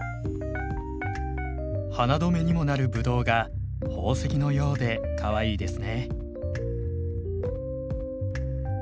花留めにもなるブドウが宝石のようでかわいいですね。